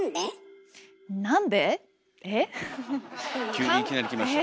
急にいきなりきましたよ。